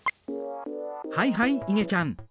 はいはいいげちゃん。